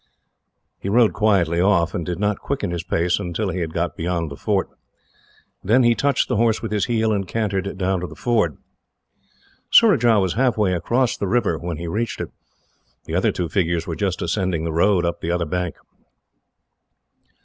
He rode quietly off, and did not quicken his pace until he had got beyond the fort. Then he touched the horse with his heel, and cantered down to the ford. Surajah was halfway across the river, when he reached it. The other two figures were just ascending the road up the other bank.